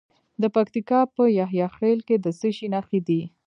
د پکتیکا په یحیی خیل کې د څه شي نښې دي؟